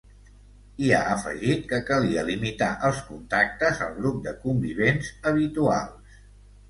I ha afegit que calia limitar els contactes al grup de convivents habituals.